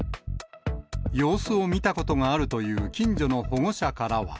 様子を見たことがあるという近所の保護者からは。